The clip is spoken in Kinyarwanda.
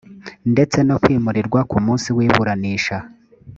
ndetse no kwimurirwa ku munsi w iburanisha